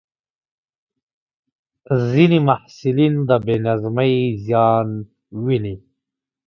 ځینې محصلین د بې نظمۍ زیان ویني.